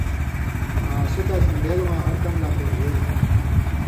آں سو تاں سن٘دېلہۡ واں ہر کمہۡ لا پورژېلوۡ تھُو۔